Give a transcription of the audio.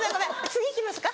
次いきますか？